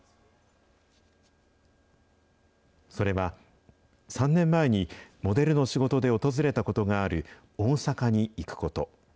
それは３年前に、モデルの仕事で訪れたことがある大阪に行くこと。